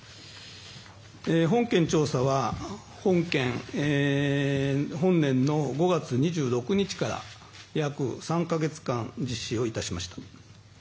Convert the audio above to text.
本件調査は本年の５月２６日から約３か月間実施をいたしました。